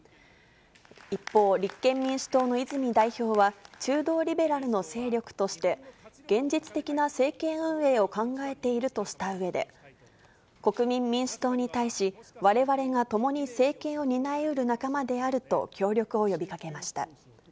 一方、立憲民主党の泉代表は、中道リベラルの勢力として、現実的な政権運営を考えているとしたうえで、国民民主党に対し、われわれがともに政権を担いうる仲間であると協力を呼びかけました。